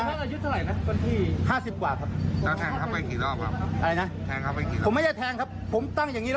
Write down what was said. แม่แล้วอายุเท่าไหร่ครั้งปันที่